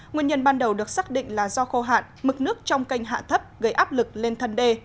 nguyên nhân ban đầu được xác định là do khô hạn mực nước trong kênh hạ thấp gây áp lực lên thân đê